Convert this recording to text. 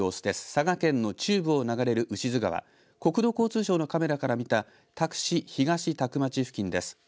佐賀県の中部を流れる牛津川国土交通省のカメラから見た多久市東多久町付近です。